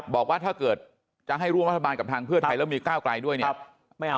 บอกว่าถ้าเกิดจะให้ร่วมรัฐบาลกับทางเพื่อไทยแล้วมีก้าวไกลด้วยเนี่ย